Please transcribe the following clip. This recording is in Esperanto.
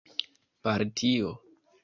partio